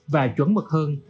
và chuẩn mực hơn